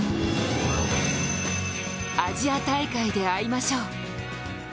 アジア大会で会いましょう。